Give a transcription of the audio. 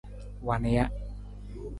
Wa nija.